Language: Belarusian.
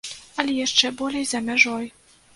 Але яшчэ болей за мяжой.